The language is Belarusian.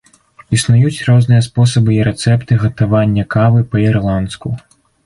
Існуюць розныя спосабы і рэцэпты гатавання кавы па-ірландску.